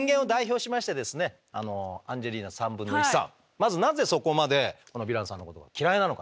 まずなぜそこまでこのヴィランさんのことが嫌いなのか？